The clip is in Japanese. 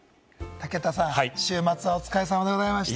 武田さん、週末はお疲れさまでございました。